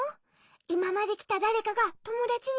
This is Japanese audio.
いままできただれかがともだちにいったのかな？